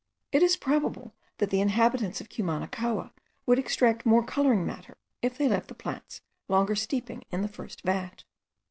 It is probable that the inhabitants of Cumanacoa would extract more colouring matter if they left the plants longer steeping in the first vat.